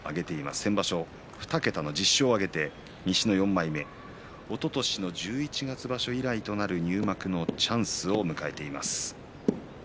先場所２桁の１０勝を挙げて西の４枚目おととしの十一月場所以来となる入幕のチャンスを迎えています。